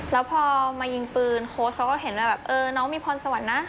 แล้วพอมายิงปืนโค้ดเขาก็เห็นว่าแบบเออน้องมีพรสวรรค์นะ